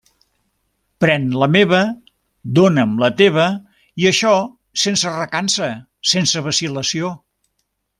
Pren la meva, dóna'm la teva, i això sense recança, sense vacil·lació.